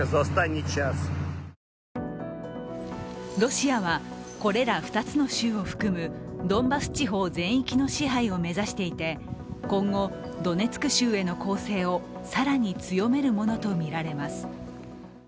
ロシアはこれら２つの州を含むドンバス地方全域の支配を目指していて今後、ドネツク州への攻勢を更に強めるものとみられます。